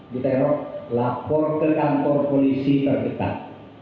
diterok lapor ke kantor polisi terdekat